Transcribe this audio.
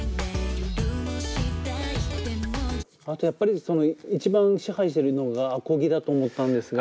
あとやっぱり一番支配してるのがアコギだと思ったんですが。